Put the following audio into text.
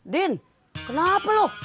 din kenapa lu